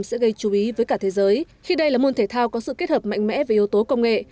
sẽ gây chú ý với cả thế giới khi đây là môn thể thao có sự kết hợp mạnh mẽ về yếu tố công nghệ